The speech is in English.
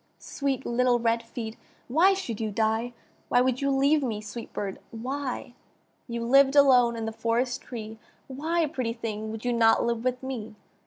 Sweet little red feet! why should you die Why would you leave me, sweet bird! why? You lived alone in the forest tree, Why, pretty thing! would you not live with me?